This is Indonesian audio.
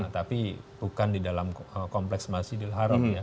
tapi bukan di dalam kompleks masjidil haram ya